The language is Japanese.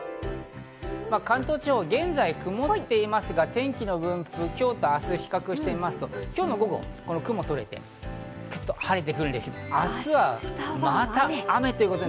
関東地方、現在曇っていますが、天気の分布、今日と明日、比較してみますと今日の午後、雲が取れて晴れてくるんですけど、明日はまた雨。